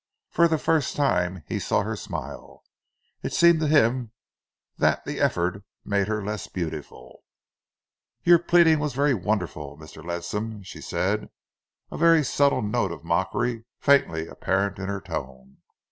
For the first time he saw her smile. It seemed to him that the effort made her less beautiful. "Your pleading was very wonderful, Mr. Ledsam," she said, a very subtle note of mockery faintly apparent in her tone.